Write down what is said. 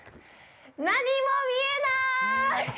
何も見えない！